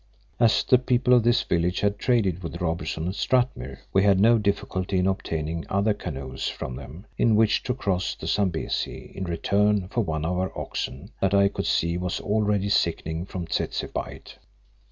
As the people of this village had traded with Robertson at Strathmuir, we had no difficulty in obtaining other canoes from them in which to cross the Zambesi in return for one of our oxen that I could see was already sickening from tsetse bite.